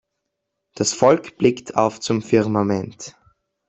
Das Volk blickt auf zum Firmament.